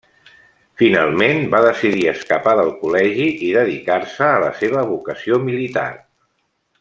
Finalment, va decidir escapar del col·legi i dedicar-se a la seva vocació militar.